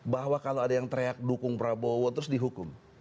bahwa kalau ada yang teriak dukung prabowo terus dihukum